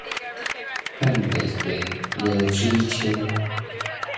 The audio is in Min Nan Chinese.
迒袂過濁水溪